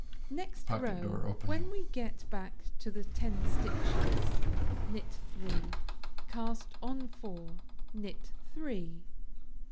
Next row, when we get back to the ten stitches, knit three; cast on four; knit three.